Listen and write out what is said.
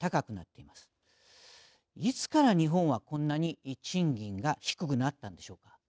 いつから日本はこんなに賃金が低くなったんでしょうか。